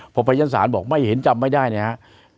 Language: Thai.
พอพยานสารบอกไม่เห็นจำไม่ได้เนี้ย